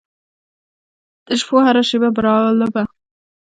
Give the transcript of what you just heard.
د شپو هره شیبه برالبه